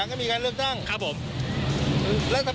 ขอบคุณครับ